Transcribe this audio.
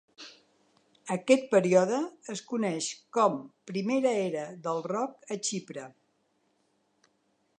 Aquest període es coneix com "Primera Era del Rock de Xipre".